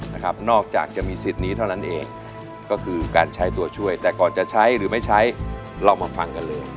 นอกจากจะมีสิทธิ์นี้เท่านั้นเองก็คือการใช้ตัวช่วยแต่ก่อนจะใช้หรือไม่ใช้เรามาฟังกันเลย